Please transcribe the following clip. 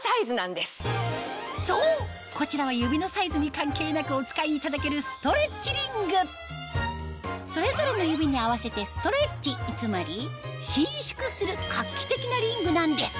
そうこちらは指のサイズに関係なくお使いいただけるストレッチリングそれぞれの指に合わせてストレッチつまり伸縮する画期的なリングなんです